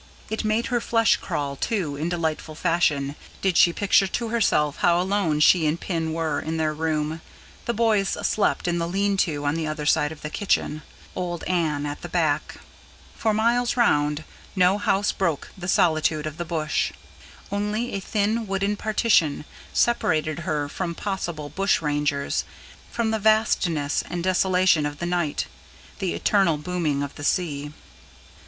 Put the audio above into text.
It made her flesh crawl, too, in delightful fashion, did she picture to herself how alone she and Pin were, in their room: the boys slept in the lean to on the other side of the kitchen; old Anne at the back. For miles round, no house broke the solitude of the bush; only a thin wooden partition separated her from possible bushrangers, from the vastness and desolation of the night, the eternal booming of the sea.